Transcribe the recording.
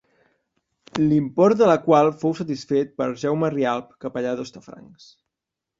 L'import de la qual fou satisfet per Jaume Rialp, capellà d'Hostafrancs.